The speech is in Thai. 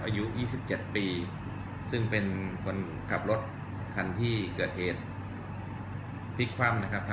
อายุ๒๗ปีซึ่งเป็นคนขับรถคันที่เกิดเหตุพลิกคว่ำนะครับ